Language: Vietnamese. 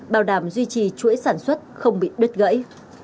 bảo đảm duy trì chuỗi sản xuất không bị đứt gãy